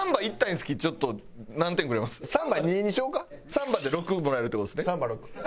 サンバで６もらえるって事ですね。